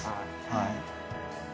はい。